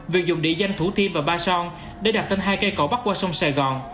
việc dùng địa danh thủ thiê và ba son để đặt tên hai cây cầu bắc qua sông sài gòn